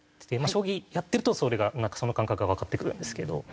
将棋やってるとそれがその感覚がわかってくるんですけど。